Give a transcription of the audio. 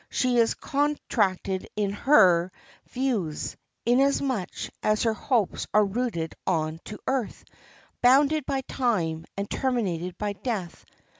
She is contracted in her views, inasmuch as her hopes are rooted on to earth, bounded by time, and terminated by death.